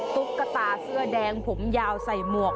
ตุ๊กตาเสื้อแดงผมยาวใส่หมวก